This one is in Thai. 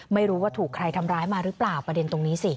ไม่รู้ว่าถูกใครทำร้ายมาหรือเปล่าประเด็นตรงนี้สิ